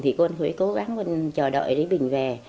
thì con cũng cố gắng con chờ đợi để bình về